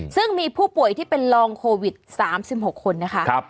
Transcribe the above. ซึ่งมีผู้ป่วยที่เป็นรองโควิด๓๖คนนะคะ